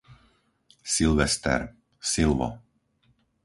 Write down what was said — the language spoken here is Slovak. Silvester, Silvo